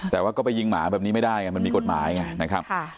แต่ว่าก็ไปยิงหมาแบบนี้ไม่ได้ไงมันมีกฎหมายไงนะครับ